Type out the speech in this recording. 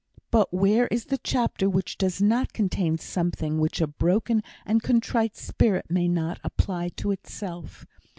But where is the chapter which does not contain something which a broken and contrite spirit may not apply to itself?